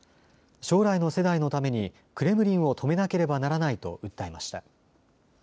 将来の世代のためにクレムリンを止めなければならないと訴えました。